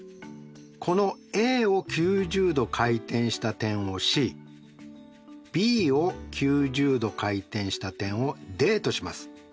このＡを９０°回転した点をＣＢを９０°回転した点をＤとします。